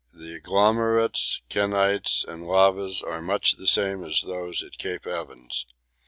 The agglomerates, kenytes, and lavas are much the same as those at Cape Evans.